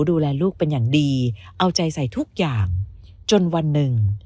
ดูแลลูกเป็นอย่างดีเอาใจใส่ทุกอย่างจนวันหนึ่ง